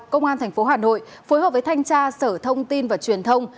công an thành phố hà nội phối hợp với thanh tra sở thông tin và truyền thông